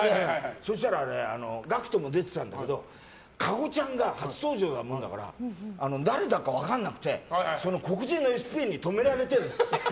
そしたらＧＡＣＫＴも出てたんだけど加護ちゃんが初登場なもんだから誰だか分からなくて黒人のＳＰに止められてんの。